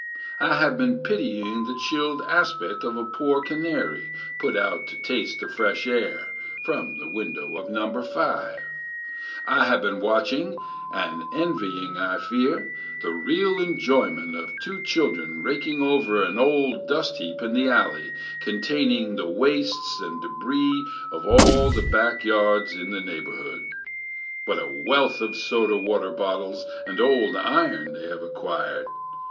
I have been pitying the chilled * aspect of a poor canary, put out to taste the fresh air, from the window of No. 5. I have been watch ing and envying, I fear the real enjoyment of two children raking over an old dust heap in the alley, containing the waste and debris of all the back yards in the neighborhood. What a wealth of soda water bottles and old iron they have ac quired